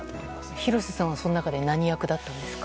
廣瀬さんはその中で何役だったんですか？